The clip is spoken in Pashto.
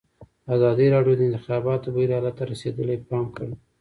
ازادي راډیو د د انتخاباتو بهیر حالت ته رسېدلي پام کړی.